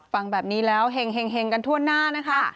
ฟังแบบนี้แล้วเห็งกันทั่วหน้านะคะ